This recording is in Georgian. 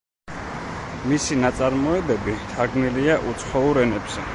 მისი ნაწარმოებები თარგმნილია უცხოურ ენებზე.